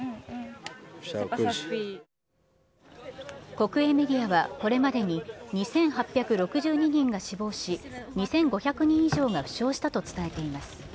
国営メディアはこれまでに２８６２人が死亡し、２５００人以上が負傷したと伝えています。